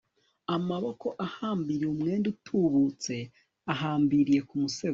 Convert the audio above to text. amaboko ahambiriye umwenda utubutse, uhambiriye ku musego